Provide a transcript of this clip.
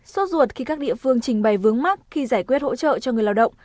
suốt ruột khi các địa phương trình bày vướng mắt khi giải quyết hỗ trợ cho người lao động